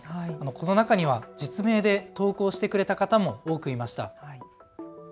この中には実名で投稿してくれた方も多くいました。